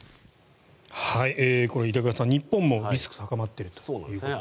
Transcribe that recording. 板倉さん、日本もリスクが高まっているということですね。